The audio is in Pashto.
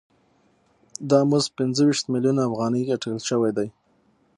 دا مزد پنځه ویشت میلیونه افغانۍ اټکل شوی دی